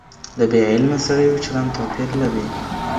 د بې علمه سړيو چلند توپير لري.